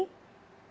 ya saya tidak tahu